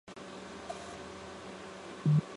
后来法新社证实了以上说法。